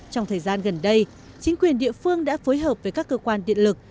trong thời gian gần đây chính quyền địa phương đã phối hợp với các cơ quan điện lực